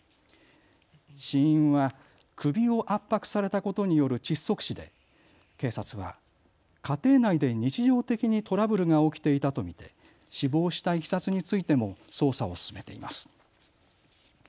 死因は首を圧迫されたことによる窒息死で警察は家庭内で日常的にトラブルが起きていたと見て死亡したいきさつについても捜査を進めています。